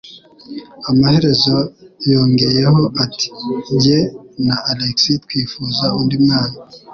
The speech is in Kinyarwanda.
Amaherezo yongeyeho ati: "Jye na Alex twifuza undi mwana."